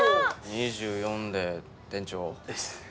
２４で店長？です